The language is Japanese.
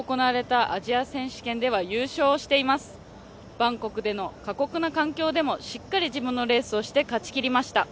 バンコクでの過酷な環境でもしっかり自分のレースをして勝ちきりました。